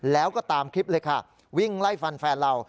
แล้วก็ตามคลิปเลยค่ะวิ่งไล่ฟันแฟนเรา